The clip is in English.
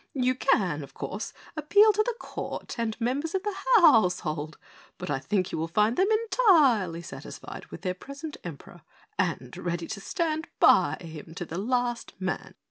"You can, of course, appeal to the Court and members of the household, but I think you will find them entirely satisfied with their present Emperor and ready to stand by him to the last man."